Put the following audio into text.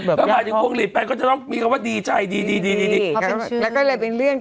แบบพรุงหลีไปก็จะต้องมีคำว่าดีใจดีดีดีดีดีแล้วก็เลยเป็นเรื่อง